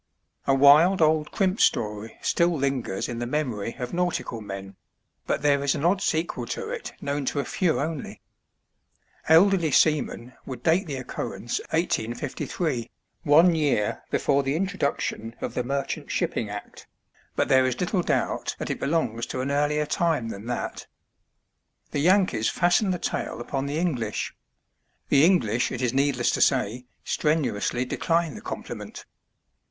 A WILD old crimp story still lingers in the memory of nautical men ; but there is an odd sequel to it known to a few only. Elderly seamen would date the occurrence 1858, one year before the introduction of the Merchant Shipping Act ; but there is little doubt that it belongs to an earlier time than that. The Yankees fasten the tale upon the English; the English, it is needless to say, strenuously decline the compliment.